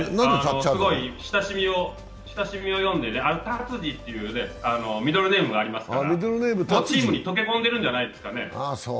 すごい親しみを含めてタツジっていうミドルネームがありますから、チームに溶け込んでるんじゃないですかね。